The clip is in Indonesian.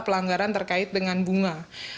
pelanggaran terkait dengan bunga